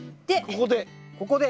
ここで。